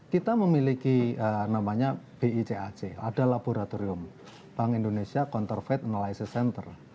kita memiliki namanya bicac ada laboratorium bank indonesia counterfait analysis center